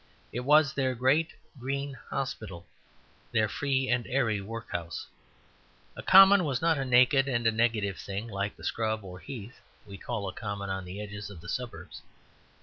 It was their great green hospital, their free and airy workhouse. A Common was not a naked and negative thing like the scrub or heath we call a Common on the edges of the suburbs.